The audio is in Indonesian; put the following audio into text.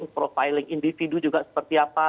profiling individu juga seperti apa